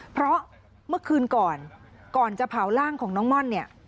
เพราะเมื่อคืนก่อนก่อนจะเผาร่างของน้องม่อนเนี่ย